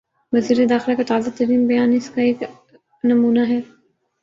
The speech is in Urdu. وزیر داخلہ کا تازہ ترین بیان اس کا ایک نمونہ ہے۔